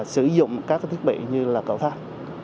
sử dụng các thiết bị như là cầu tháp